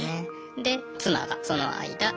で妻がその間。